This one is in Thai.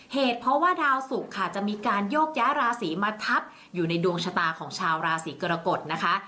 เหตุเพราะว่าดาวสุกค่ะจะมีการโยกย้ายราศีมาทับอยู่ในดวงชะตาของชาวราศีกรกฎนะคะ